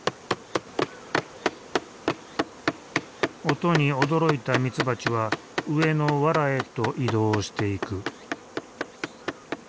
音に驚いたミツバチは上のわらへと移動していく。